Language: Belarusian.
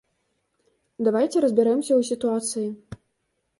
Давайце разбярэмся ў сітуацыі.